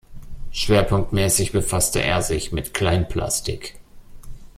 Schwerpunktmäßig befasste er sich mit Kleinplastik.